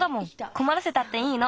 こまらせたっていいの。